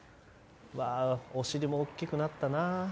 お尻も大きくなったな。